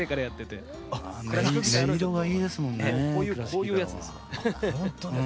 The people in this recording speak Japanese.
こういうやつですね。